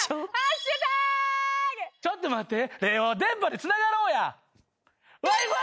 ちょっと待って。